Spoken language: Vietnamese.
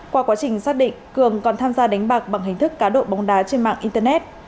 qua quá trình xác định cường còn tham gia đánh bạc bằng hình thức cá độ bóng đá trên mạng internet